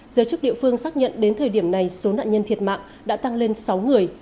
giới chức địa phương xác nhận đến thời điểm này số nạn nhân thiệt mạng đã tăng lên sáu người